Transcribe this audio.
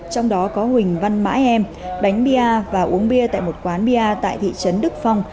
trong đó có huỳnh văn mãi em bánh bia và uống bia tại một quán bia tại thị trấn đức phong